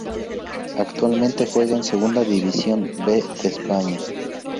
Actualmente juega en Segunda División B de España.